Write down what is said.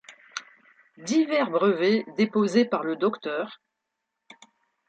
Divers brevets déposés par le Dr.